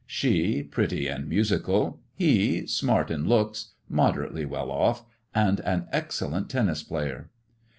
She, pretty and musical; he, smart in looks, moderately well off, and an excellent tennis player.